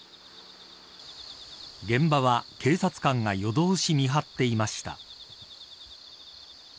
現場は警察官が夜通し見張っていました。